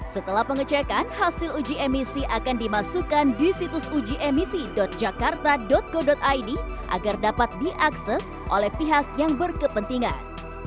setelah pengecekan hasil uji emisi akan dimasukkan di situs ujiemisi jakarta go id agar dapat diakses oleh pihak yang berkepentingan